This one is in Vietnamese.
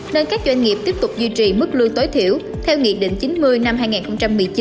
nên các doanh nghiệp tiếp tục duy trì mức lương tối thiểu theo nghị định chín mươi năm hai nghìn một mươi chín